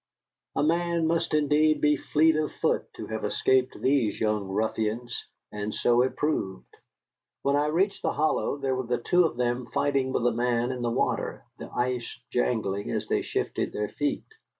A man must indeed be fleet of foot to have escaped these young ruffians, and so it proved. When I reached the hollow there were the two of them fighting with a man in the water, the ice jangling as they shifted their feet.